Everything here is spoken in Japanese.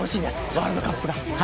ワールドカップが。